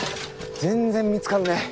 全然見つからねえ。